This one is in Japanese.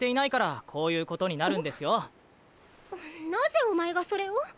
なぜおまえがそれを！？